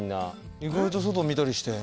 意外と外見たりして。